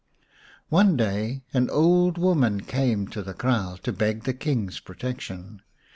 One day an old woman came to the kraal to beg the King's protection.